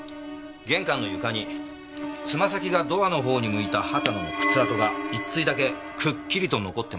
玄関の床につま先がドアのほうに向いた秦野の靴跡が一対だけくっきりと残ってました。